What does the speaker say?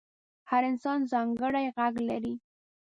هر انسان ځانګړی غږ لري.